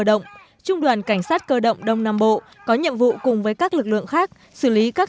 động trung đoàn cảnh sát cơ động đông nam bộ có nhiệm vụ cùng với các lực lượng khác xử lý các